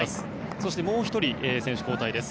そしてもう１人選手交代です。